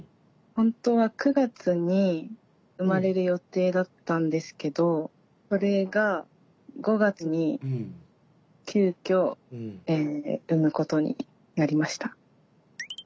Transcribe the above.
本当は９月に生まれる予定だったんですけどそれが５月に急きょ産むことになりました。